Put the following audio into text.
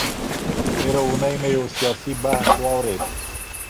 تېره اونۍ مي يو سياسي بحث واورېد.